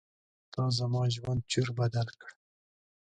تا زما ژوند چور بدل کړ.